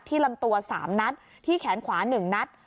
ลำตัว๓นัดที่แขนขวา๑นัด